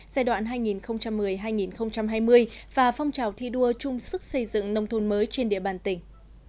giai đoạn hai nghìn một mươi hai nghìn hai mươi và phong trào thi đua chung sức xây dựng nông thôn mới trên địa bàn tỉnh